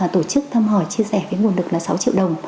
tổ chức thăm hỏi chia sẻ với nguồn lực là sáu triệu đồng